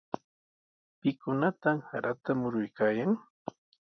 ¿Pikunataq sarata muruykaayan?